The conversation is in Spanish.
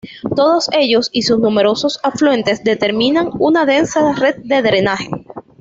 Todos ellos y sus numerosos afluentes, determinan una densa red de drenaje.